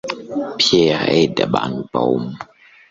Pierre Aidenbaum